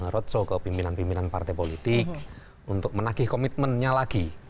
roadshow ke pimpinan pimpinan partai politik untuk menagih komitmennya lagi